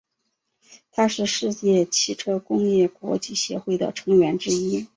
它是世界汽车工业国际协会的成员之一。